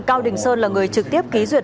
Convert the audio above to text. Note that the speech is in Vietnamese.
cao đình sơn là người trực tiếp ký duyệt